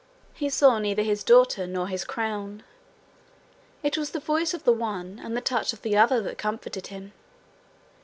He saw neither his daughter nor his crown: it was the voice of the one and the touch of the other that comforted him.